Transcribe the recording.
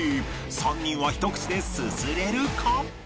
３人はひと口ですすれるか？